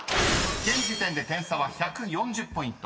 ［現時点で点差は１４０ポイント］